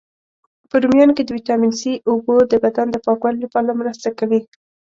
په رومیانو کی د ویټامین C، اوبو د بدن د پاکوالي لپاره مرسته کوي.